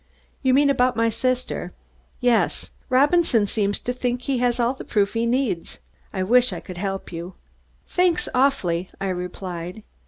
"You mean about my sister?" "Yes. Robinson seems to think he has all the proof he needs. I wish I could help you." "Thanks awfully," I replied.